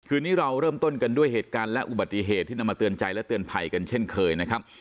นี้เราเริ่มต้นกันด้วยเหตุการณ์และอุบัติเหตุที่นำมาเตือนใจและเตือนภัยกันเช่นเคยนะครับ